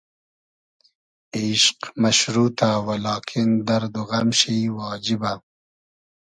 ایشق مئشروتۂ و لاکین دئرد و غئم شی واجیبۂ